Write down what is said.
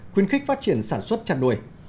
khuyến khích phát triển sản xuất chặt đuổi